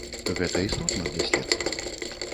Гэта істотна для следства.